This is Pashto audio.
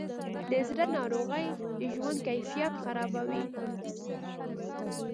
د زړه ناروغۍ د ژوند کیفیت خرابوي.